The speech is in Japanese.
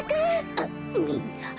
あっみんな。